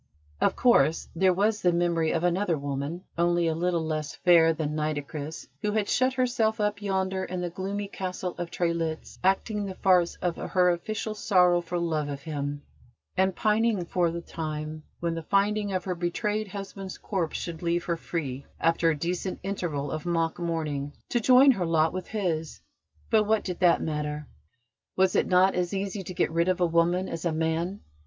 Of course, there was the memory of another woman, only a little less fair than Nitocris, who had shut herself up yonder in the gloomy Castle of Trelitz, acting the farce of her official sorrow for love of him, and pining for the time when the finding of her betrayed husband's corpse should leave her free, after a decent interval of mock mourning, to join her lot with his: but what did that matter? Was it not as easy to get rid of a woman as a man?